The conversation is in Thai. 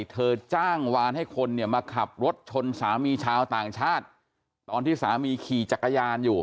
เธอจ้างวานให้คนเนี่ยมาขับรถชนสามีชาวต่างชาติตอนที่สามีขี่จักรยานอยู่